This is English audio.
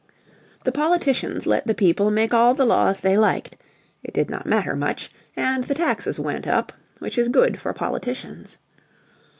The politicians let the people make all the laws they liked; it did not matter much, and the taxes went up, which is good for politicians.